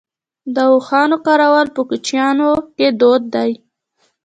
د اوښانو کارول په کوچیانو کې دود دی.